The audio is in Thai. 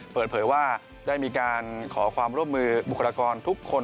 เปิดเผยว่าได้มีการขอความร่วมมือบุคลากรทุกคน